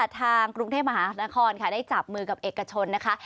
ทางกรุงเทพมหานครค่ะได้จับมือกับเอกชนนะคะ